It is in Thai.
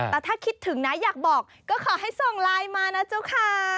แต่ถ้าคิดถึงนะอยากบอกก็ขอให้ส่งไลน์มานะเจ้าค่ะ